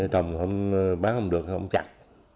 trồng bán không được thì ông chặt